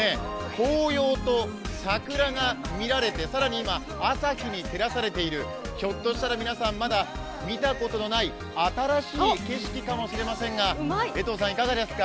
紅葉と桜が見られて更に今、朝日に照らされている、ひょっとしたら皆さんまだ見たことのない新しい景色かもしれませんが、いかがですか？